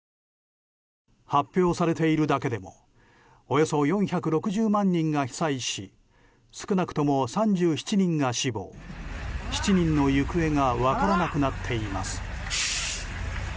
発表されているだけでもおよそ４６０万人が被災し少なくとも３７人が死亡７人の行方が分からなくなっています。